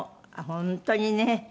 本当にね。